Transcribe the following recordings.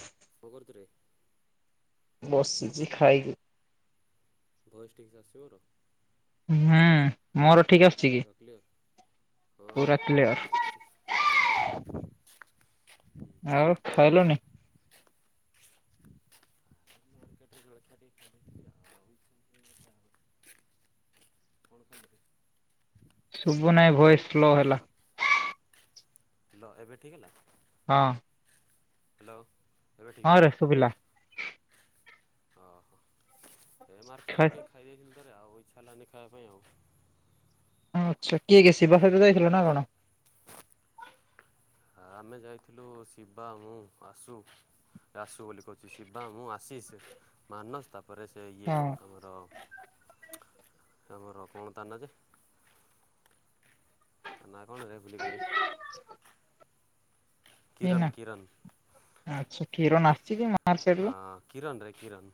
ହଁ [unintelligible] ଭଗଦରେ [unintelligible] ବସିଛିି ଖାଇିକି। ଭଏସ୍ ଠିକସେ ଆସୁଚି ମୋର ହୁଁ ମୋର ଠିକ୍ ଅଛି। ପୁରା କ୍ଳିଅର ହଁ ପୁରା କ୍ଲିୟର। ଠିକ୍ ଠାକ୍ ଆସୁଚି। ଆଉ ଖାଇଲଣି? [unintelligible] ଶୁଭୁ ନାଇଁ ଭଏସ ସ୍ଲୋ ହେଲା। ହ୍ୟାଲୋ ଏବେ ଠିକ୍ ହେଲା। ହଁ। ହ୍ୟାଲୋ ଏବେ ହଁ ଠିକ ରେ ଶୁଭିଲା। ତ ଓହ। ଏ ମାର୍କେଟରେ ଟିକେ ଖାଇ ଦେଇଥିଲି ଥରେ ଆଉ ଇଚ୍ଛାଲାନି ଖାଇବା ପାଇଁ ଆଉ। ହଁ ଆଚ୍ଛା କିଏ କିଏ ଶିବାସହିତ ଯାଇଥିଲ ନା କଣ? ଆ ଆମେ ଯାଇଥିଲୁ ଶିବା ମୁଁ ଆସୁ। ଆସୁ ବୋଲି କହୁଛି ଶିବା ମୁଁ ଆସିସ୍ ମାନସ୍ ତାପ ତା ପରେ ସେ ଇଏ ହଁ ଆମର ଆମର କଣ ତାନାଁ ଯେ ତା ନା କଣରେ ଭୁଲି ଗଲି। [unintelligible] କିରଣ କିରଣ। ଆଛା କିରଣ ଆଚଛି କି? ହଁ କିରଣରେ କିରଣ।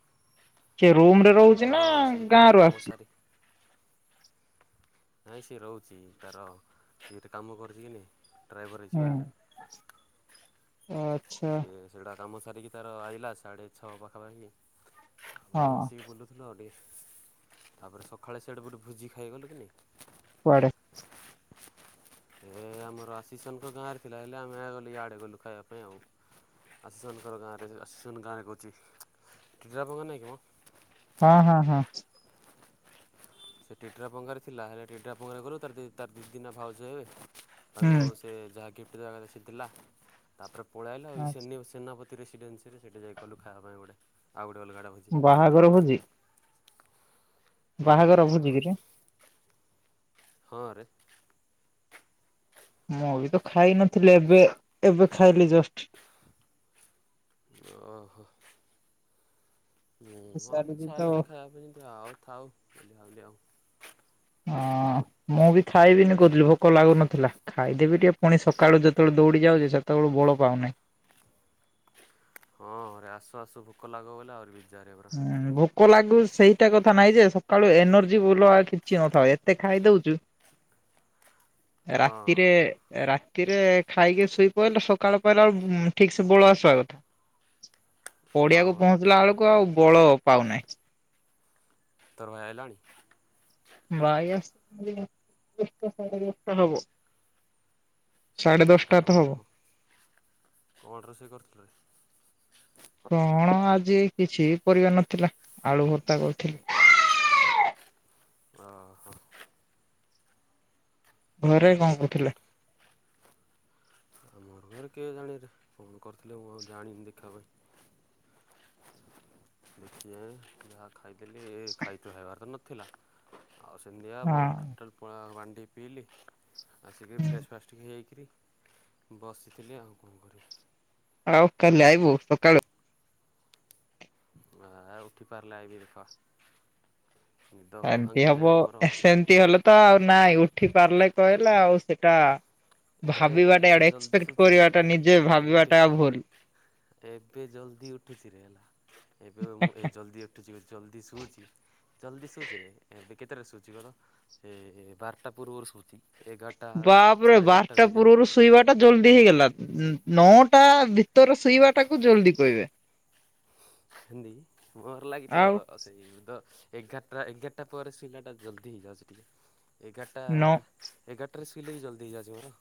କିଏ ରୁମ ରେ ରହୁଛି ନା ହଁ ସିଏ ଗାଁ ତାର ରୁ କାମ ଆସିଛି। ସାରି ନାଇଁ ସିଏ ରହୁଛି ତାର ସିଏ ଏଠେ କାମ କରୁଛିକି କି ନାହିଁ। ହୁଁ ଆଚ୍ଛା। ଗେଡା କାମ ସାରିକି ତାର ଆଇଲା ସାଢ଼େ ଛଅ ପାଖାପାଖି ତାପରେ ହଁ ମିଶିକି ବୁଲୁ ନୋ ରିକ୍ସ ତାପରେ ସକାଳେ ସିଆଡୁ ଗୋଟେ ଭୋଜି ଖାଇଗଲୁ କି ନାଇଁ। କୁଆଡ଼େ? ଏ ଆମର ଆଶିଷନଙ୍କ ଗାଁ ରେ ଥିଲା ହେଲେ ଆମେ ଗଲେ ଇଆଡେ ଗଲୁ ଖାଇବା ପାଇଁ ଆଉ। ଆଶୀଷନଙ୍କର ଗାଁରେ ଜ ଆଶୀଷନ ଗାଁ କହୁଛି ଟିଟ୍ରା ପଙ୍ଗା ନାଇଁ କିମ? ହଁ ହଁ ହଁ। ସେ ଟିଟ୍ରା ପଙ୍ଗାରେ ଥିଲା ହେଲେ ଟିଟ୍ରା ପଙ୍ଗାରେ ଗଲୁ ତାର ଦି ତାର ଦିଦି ନା ଭାଉଜ ହେବେ ତାଙ୍କୁ ହୁଁ ସେ ଯାହା ଗିଫ୍ଟ ଦେବା କଥା ସେ ଦେଲା ତାପରେ ପଳେଇଆଇଲା ଏ ଆଚ୍ଛା ସେନି ଓ ସେନାପତ ତି ରେସିଡେନ୍ସିରେ ସେଇଠି ଯାଇ ଗଲୁ ଖାଇବା ପାଇଁ ଗୋଟେ ଆଉ ଗୋଟେ ଅଲଗା ଟା ଭୋଜି। ବାହାଘର ଭୋଜି? ହୁଁ ଭୋଜି ବାହାଘର କିରେ ଭୋଜି ହଁରେ ମୁଁ ବି ତ ଖାଇ ନଥିଲି ଏବେ ଏବେ ଖାଇଲି ଜଷ୍ଟ। ଓହୋ ମୁଁ ଆଉ ସାରିକି ଇଚ୍ଛା ତ ହେଲାନି ଖାଇବା ପାଇଁ ତ ଆଉ ଥାଉ ଥିଲି ଏମିତି ଆଉ ଉଁ ମୁଁ ବି ଖାଇବିନି କହୁଥିଲି ଭୋକ ଲାଗୁନଥିଲା। ଖାଇଦେବି ଟିକେ ପୁଣି ସକାଳୁ ଯେତେବେଳେ ଦୌଡ଼ିକି ଆଉଛି ସେତେକୁ ବଳ ପାଉନାଇଁ। ହଁ ଆରେ ଆସୁ ଆସୁ ଭୁକ ଲାଗିବ ବଲେ ଆଉରି ବିଯାରେ ବର। ହୁଁ ଭୋକ ଲାଗୁ ସେଇଟା କଥା ନାଇଁ ଯେ ସକାଳୁ ଏନର୍ଜି ବୋଲ କିଛି ନଥାଏ ଏତେ ଖାଇଦଉଛୁ ହଁ ରାତିରେ ଏ ରାତ ରାତିରେ ଖାଇକି ଶୋଇ ପଇଲ ସକାଳ ପାହିଲାଏଳୁକୁ ଠିକସେ ବଳ ଆସିବା କଥା। ହଁ ପଡିଆକୁ ପରା ପହଁଞ୍ଚିଲା ବେଳକୁ ଆଉ ବଳ ପାଉନାହିଁ। ତେ ଭାଇ ଆଇଲାଣି? ଭାଇ ଆସି ଥିଲେ ଦଶଟା ସାଢେ ଦଶଟା ହବ। ସାଢ଼େ ସାଢେ ଦଶଟା ତ ହବ। ଓହୋ କଣ ରୋଷଇ କରିଥିଲ ରେ? କଣ ଆଜି ଏଇ କିଛି ପରିବା ନଥିଲା ଆଳୁ ଭର୍ତ୍ତା କରଥିଲି। ଓହୋ। ଘରେ କଣ କହୁଥିଲେ? ଆମର ଘରେ କିଏ ଜାଣେରେ କଣ କରିଥିଲେ ମୁଁ ଆଉ ଜାଣିନି ଦେଖିବା ପାଇଁ ଦେଖି ଯାଏଁ ଯାହା ଖାଇଥିଲି ଏ ଖାଇତେ ହେବାର ତ ନଥିଲା ଆଉ ସେମତିଆ ବ ହଁ। ଟୋଟାଲ ପଣା ପାଣିଟିକେ ପିଇଲି ଆସିକି ଫ୍ରେଶ୍ ଫାଷ ଟିକେ ହେଇକିରି ବସିଥିଲି ଆଉକଣ କରିବି ଆଉ କାଲି ଆଇବୁ ସକାଳୁ? ଆ ଉଠି ପାରିଲେ ଆଇବି ଦେଖ। ନିଦ ଏମତି ହବ ଭାଙ୍ଗୁନାହିଁ ମୋର ସେମିତି ହେଲେ ତ ଆଉ ନାଇଁ ଉଠି ପାରିଲେ କହିଲା ଆଉ ସେଟା ଏବେ ଭାବିବାଟା ଏବେ ଏଆଡେ ଜଲ୍ଦି ଏକ୍ସପେକ୍ଟ ଶୁଚୁରେ ହେଲା କରିବାଟା ନିଜେ ଭାବିବାଟା ଏବେ ଭୁଲ୍‌ ଏବେ ଜଲ୍ଦି ଉଠୁଛି ରେ ହେଲା ଏବେ ମୁଁ ଏ ଜଲ୍ଦି ଏତେ ଜ ଜଲ୍ଦି ଶୋଉଛି ଜଲ୍ଦି ଶୋଉଛି ରେ ଏବେ କେତେଟାରେ ଶୋଉଛି କହିଲ ଏ ଏ ବାରଟା ପୂର୍ବରୁ ଶୋଉଛି। ଏଗାରଟା ବାଢ଼େ ଦଶ ତା ପୁର୍ବୁରୁ ଶୋଇବା ଟା ଜଲ୍ଦି ହେଇଗଲା ଉଁ ନଅଟା ଭିତରେ ଶୋଇବା ଟାକୁ ଜଲଦି କହିବେ। [inaudible] ସେମତି ଘର ଲାଗି ତ ଆଉ ଏଇନୁ ତ ଏଗାରଟା ଏଗାରଟା ପରେ ସୋଇଲାଟା ଜଲ୍ଦି ହେଇଯାଉଛି ଟିକେ ଏଗାରଟା ନ ଏଗାରଟାରେ ସୋଇଲେ ବି ଜଲଦି ହେଇଯାଉଛି ମୋର।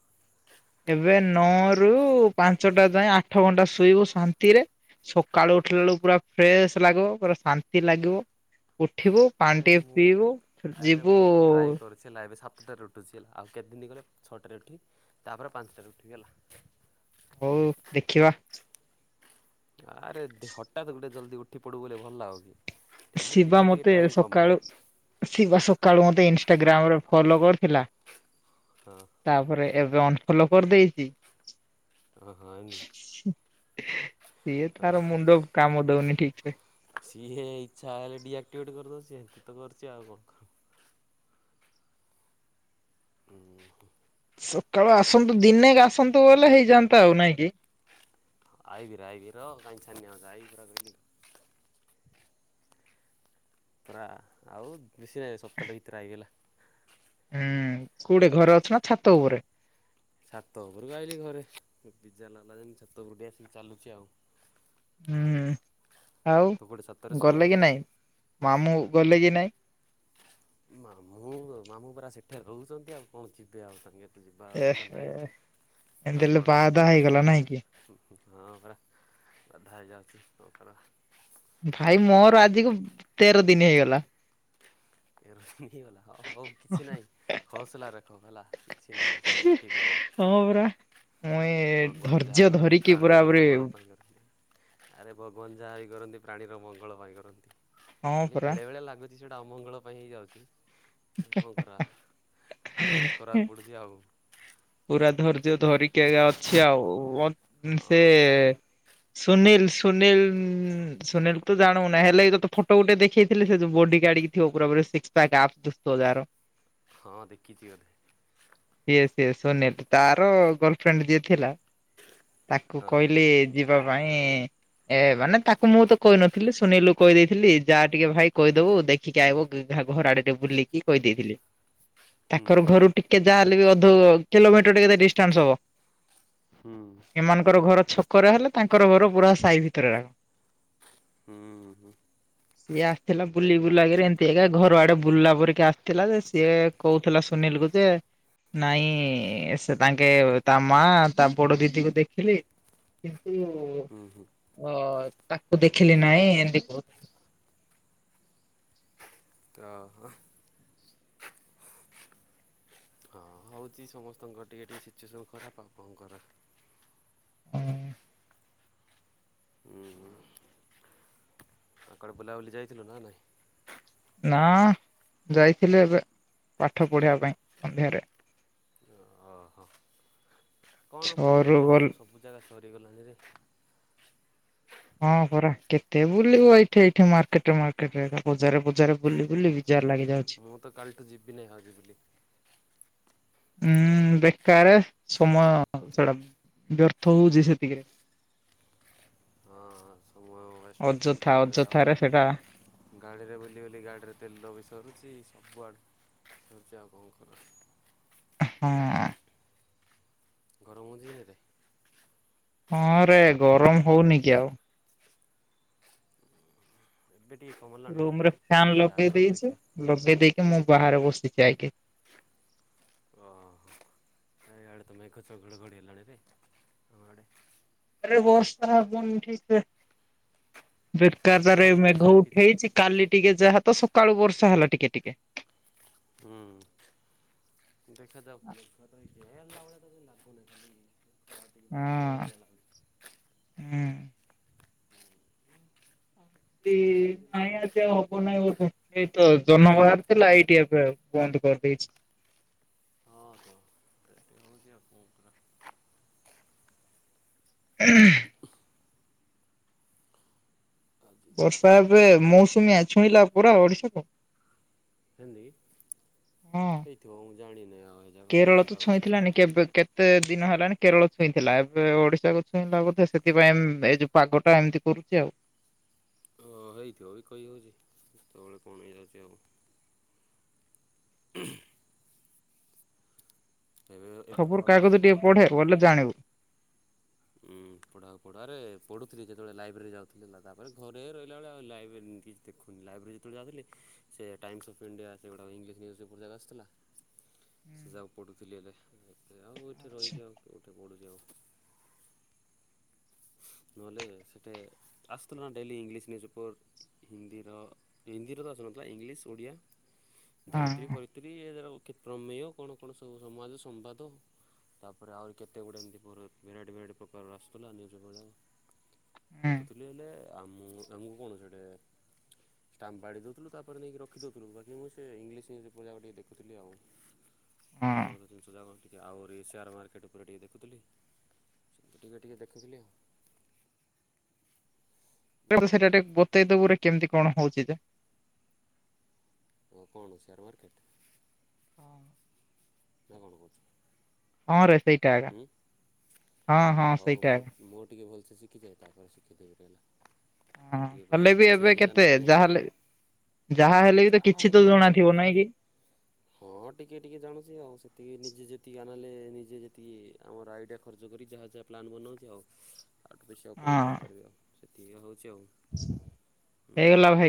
ଏବେ ନଅ ରୁ ପାଞ୍ଚଟା ଯାଏଁ ଆଠ ଘଣ୍ଟା ଶୋଇବୁ ଶାନ୍ତିରେ ସକାଳୁ ଉଠିଲା ବେଳକୁ ପୁରା ଫ୍ରେଶ ଲାଗିବ ପୁରା ଶାନ୍ତି ଲାଗିବ। ଉଠିବୁ ପାଣି ଆରେ ଟିକେ ମୁଁ ପିଇବୁ ଫେର ଆରେ ଯିବୁ ମୁଁ [unintelligible] ହେଲା ଆଉ କେତେ ଦିନ ଗଲେ ଛଅଟାରେ ଉଠିବି ତାପରେ ପାଞ୍ଚଟାରେ ଉଠିବି ହେଲା। ହଉ ଦେଖିବା। ଆରେ ଦେ ହଠାତ୍ ଗୋଟେ ଜଲ୍ଦି ଉଠି ପଡିବୁ ହେଲେ ଭଲ ଲାଗୁନି। ଶିବା ମୋତେ ସକାଳୁ ଶିବା ସକାଳୁ ମୋତେ ଇନଷ୍ଟାଗ୍ରାମରେ ଫଲୋ କରିଥିଲା ହଁ। ତାପରେ ଏବେ ଅନଫଲୋ କରିଦେଇଚି। ଆଁ ହଁ ଏଇନି। ସିଏ ତାର ମୁଣ୍ଡ କାମ ଦଉନି ଠିକ ସେ। ସିଏ ଇଚ୍ଛା ହେଲେ ଡିଆକ୍ଟିଭେଟ କରିଦଉଚି ସେ ତ କରିଛି ଆଉ କଣ କ? ହୁଁ ହୁଁ। ସକାଳୁ ଆସନ୍ତୁ ଦିନେକେ ଆସନ୍ତୁ ବଲେ ହେଇଯାନ୍ତା ଆଉ ନାଇଁ କି। ହ ଆଇିବିର ଆବି ରଅ କାଇଁ ଛାନିଆ ହେଉଚୁ ଆଇିବିପରା କହିଲି। ପୁରା ଆଉ ବେଶୀ ନାହିଁ ସପ୍ତାହଟା ଭିତରେ ଆଇଗଲା। ହୁଁ କୋଉଟେ ଘରେ ଅଛ ନା ଛାତ ଉପରେ? ଛାତ ଉପରୁକୁ ଆାଇିଲି ଘରେ ପିଜା ଲାଗା ଯେି ଛାତ ଉପରକୁ ଆସିକି ଚାଲୁଛି ଆଉ। ହୁଁ ଆଉ ତୁ କୋଉଠି ଛାତରେ ଅଛୁ ନା ଗଲେ ଘରେ? କି ନାଇଁ ମାମୁଁ ଗଲେ କି ନାଇଁ? ମାମୁଁ ମାମୁଁ ପରା ସେଠାରେ ରହୁଛନ୍ତି ଆଉ କଣ ଯିବେ ଆଉ ସାଙ୍ଗେରେ। କିଛି ବାର୍ତା ଏହେ ନାହିଁ ଏମିତି ପୁରା ହେଲେ ବଡ଼। ବାହାଦାହା ହେଇଗଲା ନାଇଁ କି? ହଁ ପରା ଗାଢା ହେଇଯାଉଛି ହଁ ପରା। ଭାଇ ମୋର ଆଜିକୁ ତେର ଦିନ ହେଇଗଲା। ତେରଦିନ ହେଇଗଲା ହଁ ହଉ କିଛି ନାହିଁ। [unintelligible] ରଖୋ ହେଲା କିଛି ନାହିଁ ସବୁ ଠିକ ହବ। ହଁ ପରା। ମୁଇଁ ଭଗବାନ ଯାହା ଧୈର୍ଯ୍ୟ କରନ୍ତି ଧରିକି ପୁରା ପ୍ରାଣୀର ପୁରି ମଙ୍ଗଳ ପାଇଁ କଥ ଆରେ ଭଗବନ ଯାହା ବି କରନ୍ତି ପ୍ରାଣୀର ମଙ୍ଗଳ ପାଇଁ କରନ୍ତି। ହଁ ଖାଲି ପରା। ବେଳେବେଳେ ଲାଗୁଛି ସେଇଟା ଅମଙ୍ଗଳ ପାଇଁ ହେଇଯାଉଛି କଣ କରା। ଆଡ଼ଯେଷ୍ଟ କରିବାକୁ ପଡ଼ୁଛି ଆଉ। ପୁରା ଧୈର୍ଯ୍ୟ ଧରିକି ଆ ଅଛି ଆଉ ସେ ହଁ ପରା ସୁନୀଲ ସୁନୀଲ ସୁନୀଲ ତୁ ଜାଣୁନା ହେଲେ କି ତୋତେ ଫଟୋ ଗୋଟେ ଦେଖେଇଥିଲି ସେ ଯୋଉ ବଡି କାଢିକି ଥିବ ପୁରାପୁରୀ ସିକ୍ସ ପ୍ୟାକ ଆପ୍ପ ଦିଶୁଥିବ ଯାହାର। ହଁ ଦେଖିଛି ବୋଧେ। ସିଏ ସିଏ ସୁନୀଲ ତାର ଗର୍ଲଫ୍ରେଣ୍ଡ ଯିଏ ଥିଲା ତାକୁ ହଁ କହିଲି ଯିବା ପାଇଁ ଏ ମାନେ ତାକୁ ମୁଁ ତ କହିନଥିଲି ସୁନିଲିକୁ କହିଦେଇଥିଲି ଯା ଟିକେ ଭାଇ କହିଦବୁ ଦେଖ ଦେଖିକି ଆଇବ ଗି ଘ ଘର ଆଡେ ଟିକେ ବୁଲିକି କହିଦେଇଥିଲି। ହୁଁ ତାଙ୍କର ଘରୁ ଟିକେ ଯାହାହେଲେ ବି ଅଧ କିଲୋମିଟର ଟିକେ କେତ ଡିଷ୍ଟାନ୍ସ ହବ। ହୁଁ। ଏମାନଙ୍କର ଘର ଛକରେ ହେଲେ ତାଙ୍କର ଘର ପୁରା ସାହି ଭିତରେର। ହୁଁ ସିଏ ଆସିଥିଲା ହୁଁ ବୁଲି ଯାଇଥିଲା ବୁଲାଗରେ ଏ ସେ ଏକା ଘର ଆଡେ ବୁଲିଲା ପରିକା ଆସିଥିଲା ଯେ ସିଏ କହୁଥିଲା ସୁନୀଲ କୁ ଯେ ନାଇଁ ସେ ତାଙ୍କେ ତା ମା ତା ବଡ ଦିଦିକୁ ଦେଖିଲି କିନ୍ତୁ ହୁଁ ହୁଁ। ଓ ତାକୁ ଦେଖିଲି ନାଇଁ ଏମତି କହୁ ଓହୋ। ହଁ ହଉଛି ସମସ୍ତଙ୍କର ଟିକେ ଟିକେ ସିଚୁଏସନ୍ ଖରାପ ଆପଣଙ୍କର। ହୁଁ। ହୁଁ ହୁଁ। ଆ କୁଆଡଡେ ବୁଲାବୁଲି ଯାଇଥିଲୁ ନା ନାଇଁ? ନା ଯାଇଥିଲି ଏବେ ପାଠ ପଢିବା ପାଇଁ ସନ୍ଧ୍ୟାରେ। ଓ ଓହୋ କଣ ବୁଲିବୁ ଛଅରୁ ବୋଲି ଏଇଠି ଗଲ ତ ସବୁ ଜାଗା ସରିଗଲାଣି ରେ। ହଁ ପରା କେତେ ବୁଲିବ ଏଇଠ ଏଇଠି ମାର୍କେଟ ମାର୍କେଟରେ ବଜାରେ ବଜାରେ ବୁଲି ବୁଲି ବିଜାର ଲାଗି ଯାଉଛି। ମୁଁ ତ କାଲିଠୁ ଯିବିନିଁ ଭାବିଥିଲି। ଉୁଁ ବେକାର ସମୟ ସେଟା ବ୍ୟର୍ଥ ହଉଛି ସେତିକିରେ। ହଁଁ ସବୁ ବେଷ୍ଟ ଅଉଛି ଅଯଥା ତାପରେ ଆହୁରି ଅଯଥାରେ ସେଟା ଗାଡ଼ିରେ ବୁଲି ବୁଲି ଗାଡ଼ିରେ ତେଲ ବି ସରୁଛି ସବୁଆଡ଼େ ସରୁଛି ଆଉ କଣ କର। ହଁ। ଗରମ ହୋଉଛି ଦିନରେ? ହଁ ରେ ଗରମ ହଉନି କି ଆଉ। ଏବେ ଟିକେ କମ୍ ରୁମ୍ ରେ ଫ୍ୟାନ୍ ଲଗେଇ ଦେଇଛି ଲଗେଇ ଦେଇକି ମୁଁ ବାହାରେ ବସିଛି ଆଇକି। ଓହୋ। ଏ ଆଆଡ଼େ ତୁମାଇେ ଖଚ ଘଡ଼ ଘଡ଼ି ହେଲାଣି ରେଁଆଡ଼େ ଆରେ ବର୍ଷା ହବନି ଠିକ୍ ରେ ବେକାର ମେଘୁଆ ଟାରେ ହେଇକି ଅଛି ମେଘ ବାକି ଯେ ଉଠେଇଛି କାଲି ଟିକେ ଯାହା ତ ସକାଳୁ ବର୍ଷା ହେଲା ଟିକେ ଟିକେ। ହୁଁ ଦେଖାଯାଉ ମେଘ ତ ହେଇଛି ହେଲା ଭଳିଆ କାଇଁ ଲାଗୁନି [unintelligible] ଟିକେ ପରେ ପଳେଇବ ହଁ ଭଳିଆ ଲାଗୁଛି ହୁଁ। [unintelligible] [unintelligible] ସେ ଦିନ ବାକି ଏଇ ତ ଜହ୍ନ ବାହାରାରୁ ଥିଲା ଏଇଠି ଏବେ ବନ୍ଦ କରିଦେଇଛି। ହଁ ହଁ। ରଉଜପଙ୍କ [inaudible] [inaudible] କରିବା ଆଜି ବର୍ଷା ଏବେ ନା ମୌସୁମୀଆ ଛୁଇଁଲା ପୁରା ଓଡିଶାକୁ। ହନ୍ଦି ହଁ ଏଇଥିବ ମୁଁ ଜାଣିନାଇ [unintelligible] କେରଳ ତ ଛୁଇଁଥିଲାନି କେବେ କେ କେତେ ଦିନ ହେଲାଣି କେରଳ ଛୁଇଁଥିଲା ଏବେ ଓଡିଶାକୁ ଛୁଇଁଲା ବୋଧେ ସେଥିପାଇଁ ଏଇ ଯୋଉ ପାଗଟା ଏମିତି କରୁଛି ଆଉ। ଓ ହେଇଥିବ ବି କହିହଉଛି କେତେବେଳେ କଣ ହେଇଯାଉଛି ଆଉ। ହୁଁ। ଏବେ ଏବେ ଖବର ଖରା କାଗଜ ହେଉଥିବ ଟିକେ ପଢେ ବଲେ ଜାଣିବୁ। ପଢ଼ାକୁ ପଢ଼ାରେ ପଢ଼ୁଥିଲି ଯେତେବେଳେ ଲାଇବ୍ରେରୀ ଯାଉଥିଲେ ହେ ତାପରେ ଘରେ ରହିଲାବେଳେ ଆଉ ଲାଇବ୍ରେରୀ କି ଲାଇବ୍ରେରି ଯେତେବେଳେ ଯାଉଥିଲେ ସେ ଟାଇମ୍ସ୍ ଅଫ୍ ସେଗୁଡ଼ା ଇଲିଶ ନ୍ୟୁଜପେପର ଯାକ ଆସିଥିଲା। [inaudible] ସେ ଯାହା ପଢ଼ୁଥିଲି ହେଲେ ଏତେ ଆଉ ଏଠି ଆଚ୍ଛା। ରହିକି ଆଉ କୋଉଠି ପଢୁଛି ଆଉ। ନହେଲେ ସେଠେ ଆସଥିଲଥିଲା ନା ଡେଲି ଇଂଲିଶ ନ୍ୟୁଜ୍ ପେପର୍। ହିନ୍ଦୀର ହିନ୍ଦୀର ତ ଆସୁନଥିଲା ଇଂଲିଶ ଓଡ଼ିଆ ଧରିତ୍ରୀ ହଁ ଫର କତ୍ରୀାର [inaudible] ପ୍ରମେୟ କଣ କଣ ସବୁ ସମାଜ ସମ୍ବାଦ। ତାପରେ ଆହୁରି କେତେ ଗୁଡିଏ ମୋର ଭରାଇଟି ଭେରାଇଟି ପ୍ରକାରର ଆସୁଥିଲା ନ୍ୟୁଜ୍ ଭଳିଆ। ହୁଁ ଦେଖୁଥିଲି ହେଲେ ଆମ ଆମକୁ କଣ ସେଇଟେ ଟମ୍ବାଡ଼ି ଦେଉଥିଲୁ ତାପରେ ନେଇକି ରଖି ଦେଉଥିଲୁ ବାକି ମୁଁ ସେ ଇଂଲିଶ ଜା ଟିକେ ଦେଖଥିଲି ଆଉ। [inaudible] [unintelligible] ଆହୁରି ସେୟାର ମାର୍କେଟ ଉପରେ ଟିକେ ଟିକେ ଦେଖୁଥିଲି ଟିକେ ଟିକିଏ ଦେଖୁଥିଲି ଆଉ। ସେଇଟା ଟିକେ ବତେଇଦବୁରେ କେମିତି କଣ ହଉଛି ଯେ ହ କଣ ସେୟାର୍ ମାର୍କେଟ୍? ହଁ। କଣ କରୁଛୁ? ହଁ ରେ ସେଇଟା ଆଜ୍ଞା ହଁ ହଁ ହଉ ସେଇଟା ମୁଁ ଆଜ୍ଞା। ମୁଁ ଟିକେ ଭଲସେ ଶିଖିଯାଏ ତାପରେ ଶିଖେଇ ଦେବି ହେଲା। ହ ମୁଁ ଟିକେ ପୁରା ହେଲେ ବି ଭଲସେ ଏବେ ହେଇନି ତା ନା କେତେ ଯାଏଁ ଯାହାହେଲେ ଯାହା ହେଲେ ବି ତ ଯାହା କିଛି ତ ହେଲେ ଜଣାଥିବ ନାଇଁ କି। ହଁ ଟିକେ ଟିକେ ଜାଣୁଛି ଆଉ ସେତିକି ନିଜେ ଯେତିକି ନେଲେ ନିଜେ ଯେତିକି ଆମର ଆଇଡ଼ିଆ ଖର୍ଚ୍ଚ କରି ଯାହା ଯାହା ପ୍ଲାନ୍ ବନାଉଛି ଆଉ। ତାଠୁ ବେଶି ଆଉ ହଁ କଣ କରିପାରିବି ଆଉ ସେତିକି ହେଉଛି ଆଉ। ହେଇଗଲା।